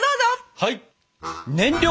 はい！